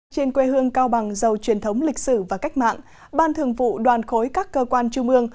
trên quê hương cao bằng giàu truyền thống lịch sử và cách mạng ban thường vụ đoàn khối các cơ quan trung ương